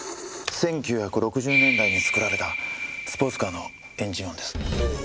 １９６０年代に作られたスポーツカーのエンジン音です。